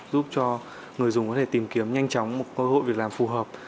giúp cho người dùng có thể tìm kiếm nhanh chóng một cơ hội việc làm phù hợp